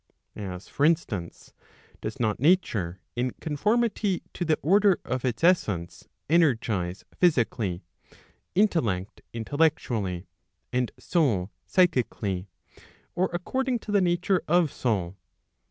as for instance, does not nature, in conformity to the order of its essence, energize physically, intellect intellectually, and soul psychically, or according to the nature of soul